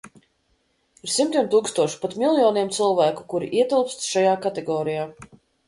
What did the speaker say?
Ir simtiem tūkstošu, pat miljoniem cilvēku, kuri ietilpst šajā kategorijā.